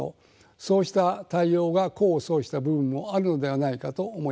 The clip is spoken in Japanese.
そうした対応が功を奏した部分もあるのではないかと思います。